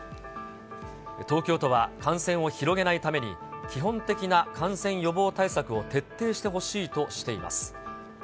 東京都は感染を広げないために、基本的な感染予防対策を徹底してほしいとしています。